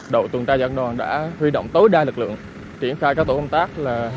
độ tuần tra giảng đoàn đã huy động tối đa lực lượng triển khai các tổ công tác